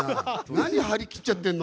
何、張り切っちゃってんの？